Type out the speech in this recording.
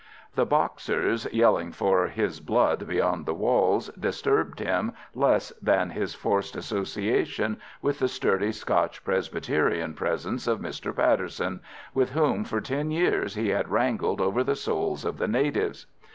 The Boxers yelling for his blood beyond the walls disturbed him less than his forced association with the sturdy Scotch Presbyterian presence of Mr. Patterson, with whom for ten years he had wrangled over the souls of the natives.